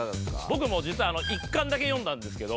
僕も実は１巻だけ読んだんですけど。